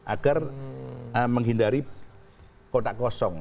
agar menghindari kotak kosong